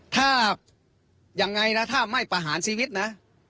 ถ้ายังไงนะถ้าไม่ประหารชีวิตนะ